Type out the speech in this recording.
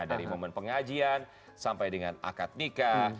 dari momen pengajian sampai dengan akad nikah